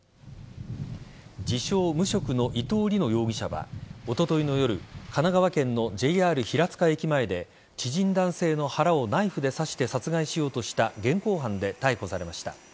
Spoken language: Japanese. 自称・無職の伊藤りの容疑者はおとといの夜神奈川県のＪＲ平塚駅前で知人男性の腹をナイフで刺して殺害しようとした現行犯で逮捕されました。